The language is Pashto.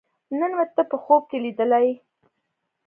نن مې ته په خوب کې لیدلې